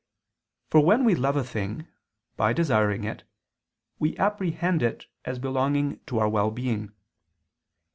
For when we love a thing, by desiring it, we apprehend it as belonging to our well being.